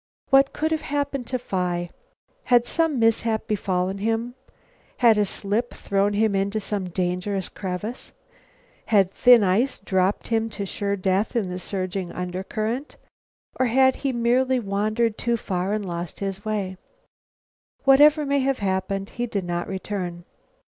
What could have happened to Phi? Had some mishap befallen him? Had a slip thrown him into some dangerous crevice? Had thin ice dropped him to sure death in the surging undercurrent? Or had he merely wandered too far and lost his way? Whatever may have happened, he did not return.